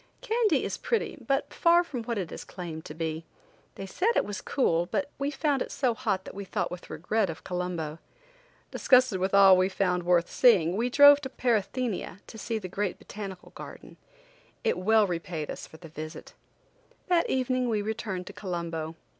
Kandy is pretty, but far from what it is claimed to be. They said it was cool, but we found it so hot that we thought with regret of Colombo. Disgusted with all we found worth seeing we drove to Parathenia to see the great botanical garden. It well repaid us for the visit. That evening we returned to Colombo.